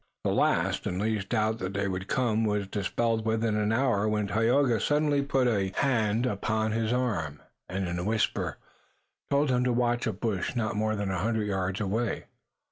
The last and least doubt that they would come was dispelled within an hour when Tayoga suddenly put a hand upon his arm, and, in a whisper, told him to watch a bush not more than a hundred yards away.